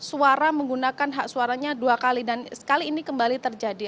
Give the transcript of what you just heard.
suara menggunakan hak suaranya dua kali dan sekali ini kembali terjadi